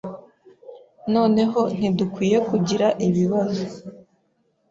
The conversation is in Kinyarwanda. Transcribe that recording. Noneho ntidukwiye kugira ibibazo.